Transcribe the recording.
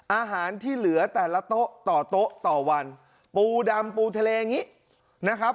อาหารที่เหลือแต่ละโต๊ะต่อโต๊ะต่อวันปูดำปูทะเลอย่างนี้นะครับ